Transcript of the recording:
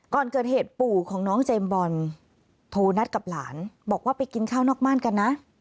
ก่อนเกิดเหตุปู่ของน้องเจมส์บอลโทรนัดกับหลานบอกว่าไปกินข้าวนอกม่านกันนะ